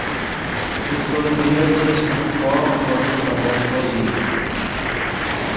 نے کوئے گلو چش من خوئے ڤے خوئن پے تیݰکو ژئیم